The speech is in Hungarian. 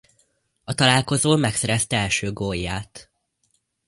A találkozón megszerezte első gólját.